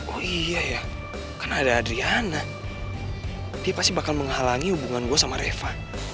oh iya ya kan ada adriana dia pasti bakal menghalangi hubungan gue sama reva